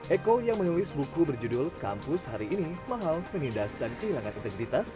eko yang menulis buku berjudul kampus hari ini mahal menindas dan kehilangan integritas